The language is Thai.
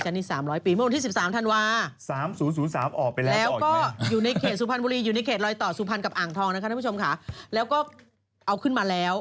ตอนนี้๓๐๐ปีตอนที่๑๓ธันวาแล้วก็อยู่ในเขตสุพรรณบุรีฟันอุงผลอยู่ในเขตลอยต่อสุพรรณกับอ่างทอมแล้วก็เอาขึ้นมาแล้ว